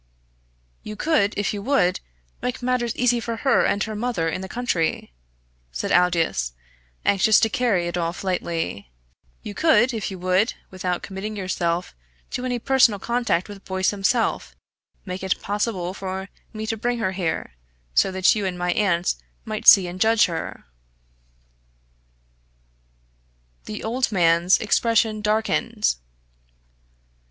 "You could, if you would, make matters easy for her and her mother in the county," said Aldous, anxious to carry it off lightly. "You could, if you would, without committing yourself to any personal contact with Boyce himself, make it possible for me to bring her here, so that you and my aunt might see her and judge." The old man's expression darkened.